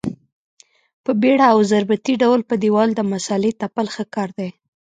په بېړه او ضربتي ډول په دېوال د مسالې تپل ښه کار دی.